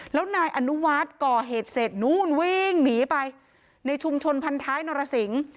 แล้วนายอนุวัฒน์ก่อเหตุเสร็จนู่นวิ่งหนีไปในชุมชนพันท้ายนรสิง